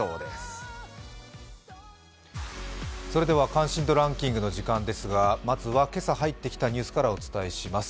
「関心度ランキング」の時間ですが、まずは今朝入ってきたニュースからお伝えします。